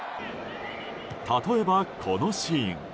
例えば、このシーン。